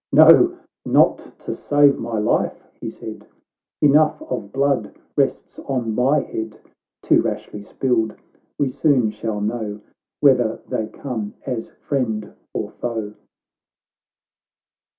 —" No ! not to save my life !" he said ;" Enough of blood rests on my head, Too rashly spilled— we soon shall know, Whether they come as friend or foe."